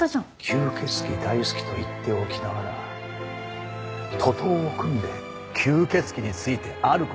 吸血鬼大好きと言っておきながら徒党を組んで吸血鬼についてある事ない事を書き散らし